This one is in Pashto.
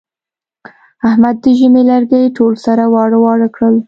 احمد د ژمي لرګي ټول سره واړه واړه کړل.